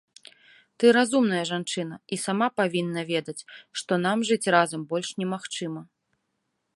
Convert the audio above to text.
Ты разумная жанчына і сама павінна ведаць, што нам жыць разам больш немагчыма.